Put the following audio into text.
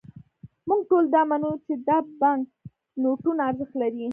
موږ ټول دا منو، چې دا بانکنوټونه ارزښت لري.